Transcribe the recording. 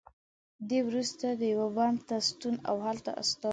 دی وروسته دیوبند ته ستون او هلته استاد شو.